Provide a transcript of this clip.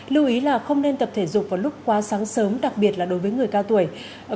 lưu ý là không nên tập thể dục vào lúc qua sáng sớm đặc biệt là đối với người cao tuổi